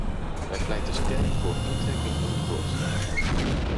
Wij pleiten sterk voor intrekking van het voorstel.